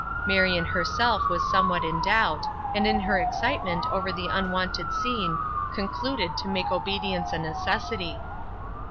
Marion herself was somewhat in doubt, and in her excitement over the unwonted scene, concluded to make obedience a necessity.